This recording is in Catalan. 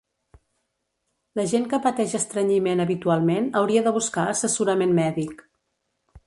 La gent que pateix estrenyiment habitualment hauria de buscar assessorament mèdic.